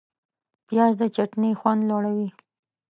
پیاز د چټني خوند لوړوي